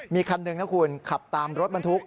มีคันหนึ่งนะคุณขับตามรถบรรทุก